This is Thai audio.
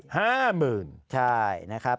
ห้าหมื่นใช่นะครับ